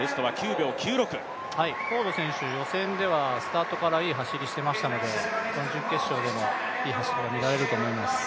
フォード選手、予選ではスタートからいい走りをしていましたので、準決勝でもいい走りを見られると思います。